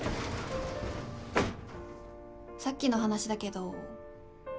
さっきの話だけど。